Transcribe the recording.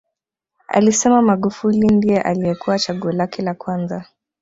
Alisema Magufuli ndiye aliyekuwa chaguo lake la kwanza